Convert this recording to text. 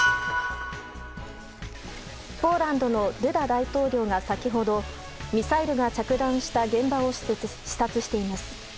ポーランドのドゥ大統領が先ほどミサイルが着弾した現場を視察しています。